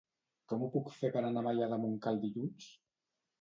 Com ho puc fer per anar a Maià de Montcal dilluns?